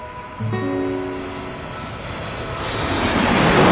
うん！